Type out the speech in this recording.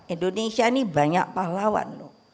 indonesia ini banyak pahlawan